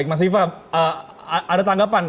mas ifah ada tanggapan